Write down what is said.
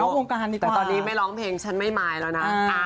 โอ้ไม่จำเป็นค่ะไม่จำเป็น